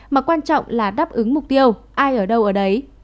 mà quan trọng là đáp ứng mục tiêu ai ở đâu ở đấy